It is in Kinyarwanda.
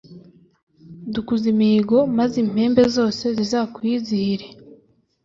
dukuza imihigo, maze impembe zose zizakwizihire